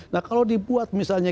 nah kalau dibuat misalnya